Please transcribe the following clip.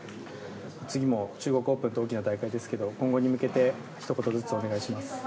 次も中国オープンと大きな大会ですが今後に向けてひと言ずつ、お願いします。